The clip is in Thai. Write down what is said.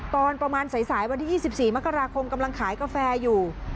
ตอนประมาณสายวันที่๒๔มกราคมกำลังขายกาแฟอยู่